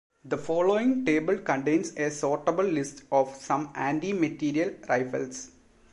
The following table contains a sortable list of some anti-materiel rifles.